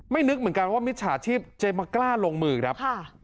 นึกเหมือนกันว่ามิจฉาชีพจะมากล้าลงมือครับ